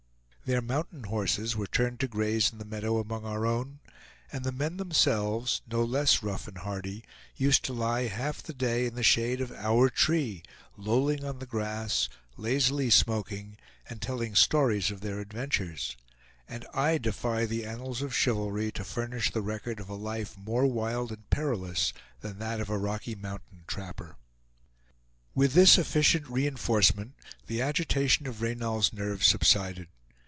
Their mountain horses were turned to graze in the meadow among our own; and the men themselves, no less rough and hardy, used to lie half the day in the shade of our tree lolling on the grass, lazily smoking, and telling stories of their adventures; and I defy the annals of chivalry to furnish the record of a life more wild and perilous than that of a Rocky Mountain trapper. With this efficient re enforcement the agitation of Reynal's nerves subsided.